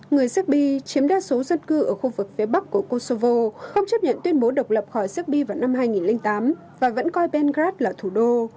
người serbi chiếm đa số dân cư ở khu vực phía bắc của kosovo không chấp nhận tuyên bố độc lập khỏi serbia vào năm hai nghìn tám và vẫn coi bengas là thủ đô